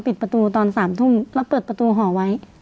ปิดประตูตอน๓ทุ่มแล้วเปิดประตูหอไว้